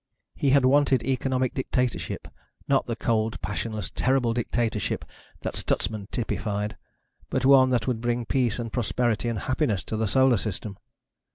He had wanted economic dictatorship ... not the cold, passionless, terrible dictatorship that Stutsman typified ... but one that would bring peace and prosperity and happiness to the Solar System.